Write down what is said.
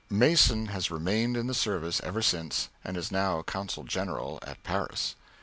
Mason has remained in the service ever since, and is now consul general at Paris.